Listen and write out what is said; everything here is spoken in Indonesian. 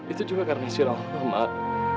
itu juga karena surah allah mak